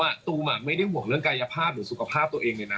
ตูมไม่ได้ห่วงเรื่องกายภาพหรือสุขภาพตัวเองเลยนะ